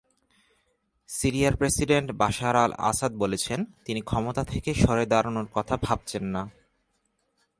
সিরিয়ার president Bashar al-Assad বলেছেন, তিনি ক্ষমতা থেকে সরে দাঁড়ানোর কথা ভাবছেন না।